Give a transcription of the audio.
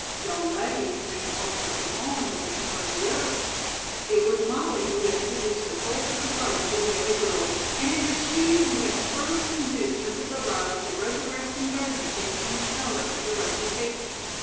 "Young ladies ain't often so fond of the smell of the earth." It was Molly who had introduced the cult of the garden to the other girls, and it was she who had first induced Mrs. O'Reilly to resurrect some garden seats from the cellar and a rustic table.